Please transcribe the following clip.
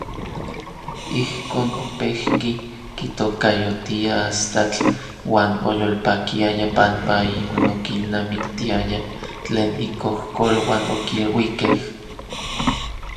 Ijkon, opejki kitokayotia Astatl uan oyolpakiaya panpa inon okilnamiktiaya tlen ikojkoluan okiluikej.